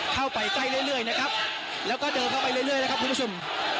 เข้าไปใกล้เรื่อยนะครับแล้วก็เดินเข้าไปเรื่อยนะครับคุณผู้ชม